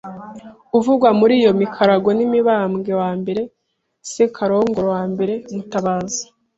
Uvugwa muri iyo mikarago ni Mibamwbe I Sekarongoro I Mutabazi